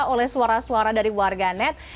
oleh suara suara dari warganet